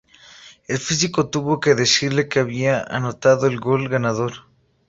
El físico tuvo que decirle que había anotado el gol ganador.